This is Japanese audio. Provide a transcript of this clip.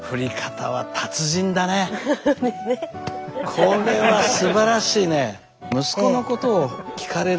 これはすばらしいね。